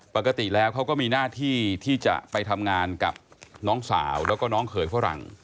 ปกติแล้วเขาก็มีหน้าที่ที่จะไปทำงานกับน้องสาวแล้วก็น้องเขยฝรั่ง